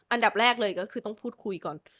อันดับแรกเลยก็คือต้องพูดคุยก่อน